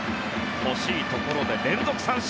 欲しいところで連続三振。